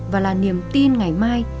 và là niềm tin ngày mai